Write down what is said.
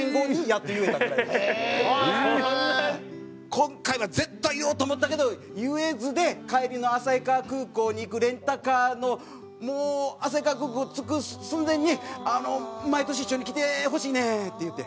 今回は絶対言おうと思ったけど言えずで帰りの旭川空港に行くレンタカーのもう旭川空港着く寸前に「あの毎年一緒に来てほしいねん」って言うて。